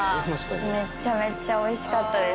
めっちゃめっちゃおいしかったです